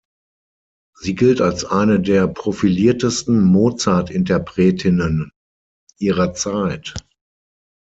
Sie gilt als eine der profiliertesten Mozart-Interpretinnen ihrer Zeit.